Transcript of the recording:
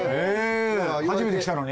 初めて来たのに？